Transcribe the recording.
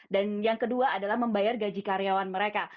dan yang kedua adalah membayar gaji karyawan mereka